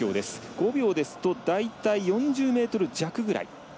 ５秒ですと大体４０ｍ弱ぐらい。